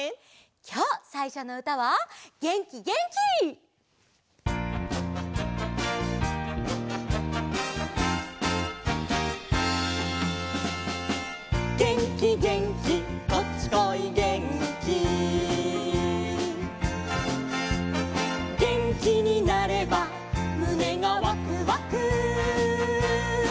きょうさいしょのうたは「げんき・元気」！「げんきげんきこっちこいげんき」「げんきになればむねがワクワク」